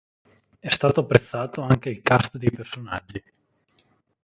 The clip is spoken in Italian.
È stato apprezzato anche il cast dei personaggi.